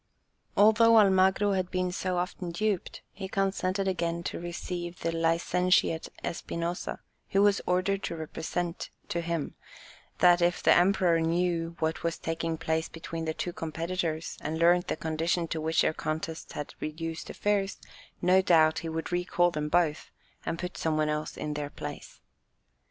Although Almagro had been so often duped, he consented again to receive the licentiate Espinosa, who was ordered to represent to him, that if the emperor knew what was taking place between the two competitors, and learnt the condition to which their contests had reduced affairs, no doubt he would recall them both, and put some one else in their place.